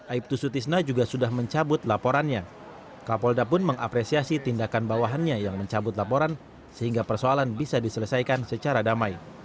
aibtu sutisna juga sudah mencabut laporannya kapolda pun mengapresiasi tindakan bawahannya yang mencabut laporan sehingga persoalan bisa diselesaikan secara damai